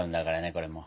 これもう！